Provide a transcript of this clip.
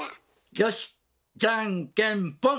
よしじゃんけんぽん！